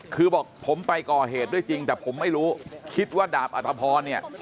คือบอกผมไปก่อเหตุด้วยจริงแต่ผมไม่รู้คิดว่าดาบอัตภพรเนี่ย